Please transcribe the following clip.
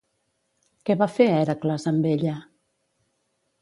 Què va fer Hèracles amb ella?